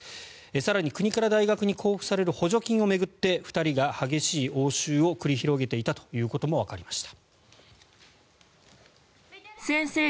更に、国から大学に交付される補助金を巡って２人が激しい応酬を繰り広げていたということもわかりました。